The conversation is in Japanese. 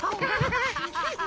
ハハハハ！